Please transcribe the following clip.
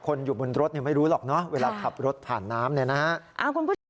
คนอยู่บนรถไม่รู้หรอกเนอะเวลาขับรถผ่านน้ำเนี่ยนะฮะ